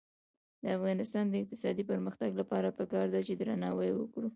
د افغانستان د اقتصادي پرمختګ لپاره پکار ده چې درناوی وکړو.